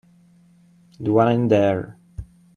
The one in there.